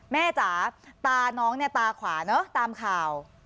แม่จ้าตาน้องตาขวาเนอะตามข่าว